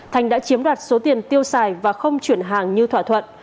thành đã chiếm đoạt số tiền tiêu xài và không chuyển hàng như thỏa thuận